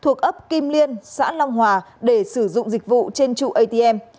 thuộc ấp kim liên xã long hòa để sử dụng dịch vụ trên trụ atm